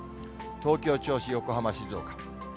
東京、銚子、横浜、静岡。